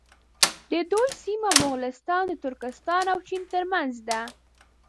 د دوی سیمه مغولستان د ترکستان او چین تر منځ ده.